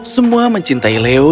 semua mencintai leo